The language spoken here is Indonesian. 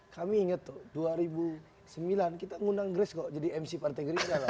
kami inget tuh dua ribu sembilan kita ngundang grace kok jadi mc pak tegerina lah